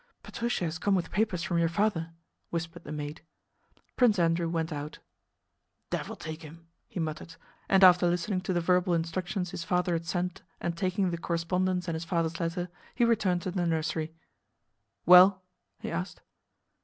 "Pétrusha has come with papers from your father," whispered the maid. Prince Andrew went out. "Devil take them!" he muttered, and after listening to the verbal instructions his father had sent and taking the correspondence and his father's letter, he returned to the nursery. "Well?" he asked.